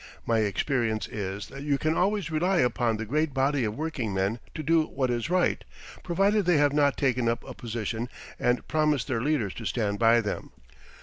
My experience is that you can always rely upon the great body of working men to do what is right, provided they have not taken up a position and promised their leaders to stand by them.